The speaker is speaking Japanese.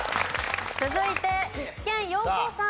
続いて具志堅用高さん。